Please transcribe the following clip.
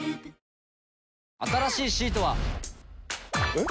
えっ？